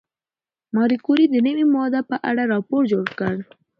ماري کوري د نوې ماده په اړه راپور جوړ کړ.